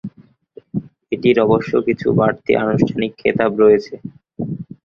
এটির অবশ্য কিছু বাড়তি অনানুষ্ঠানিক খেতাব রয়েছে।